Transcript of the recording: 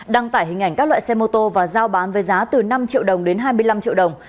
đăng tải hình ảnh các loại xe mô tô và giao bán với giá từ năm triệu đồng đến hai mươi năm triệu đồng